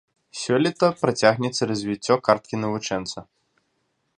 Сёлета працягнецца развіццё карткі навучэнца.